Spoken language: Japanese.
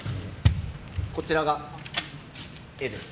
こちらが、絵です。